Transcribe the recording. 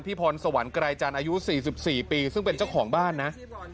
พรสวรรค์ไกรจันทร์อายุ๔๔ปีซึ่งเป็นเจ้าของบ้านนะ